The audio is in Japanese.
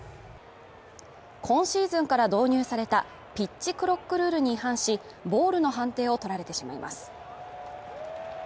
今シーズンから導入されたピッチクロックルールに違反し、ボールの判定を取られてしまいます。